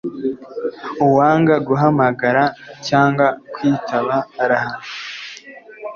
uwanga guhamagara cyangwa kwitaba arahanwa